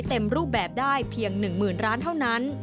เต็มรูปแบบได้เพียง๑๐๐๐ร้านเท่านั้น